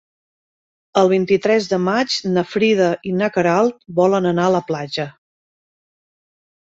El vint-i-tres de maig na Frida i na Queralt volen anar a la platja.